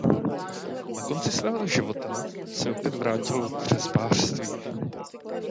Na konci svého života se opět vrátil k řezbářství.